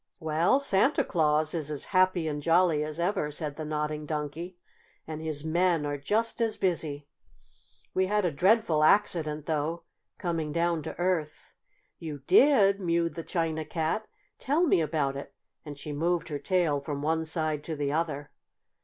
"Well, Santa Claus is as happy and jolly as ever," said the Nodding Donkey, "and his men are just as busy. We had a dreadful accident though, coming down to Earth!" "You did?" mewed the China Cat. "Tell me about it," and she moved her tail from one side to the other.